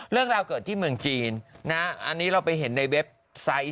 เรื่องราวเกิดที่เมืองจีนอันนี้เราไปเห็นในเว็บไซต์